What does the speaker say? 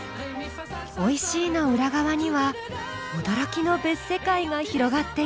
おいしいの裏側には驚きの別世界が広がっていました。